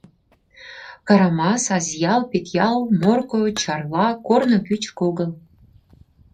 Карамас — Азъял-Петъял — Морко — Чарла корно кӱчык огыл.